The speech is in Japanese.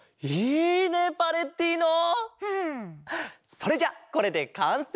それじゃあこれでかんせい！